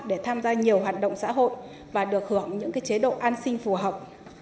để tham gia nhiều hoạt động xã hội và được hưởng những chế độ an sinh phù hợp